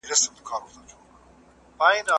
د لابراتوار کار تر نظري کار اړین دی.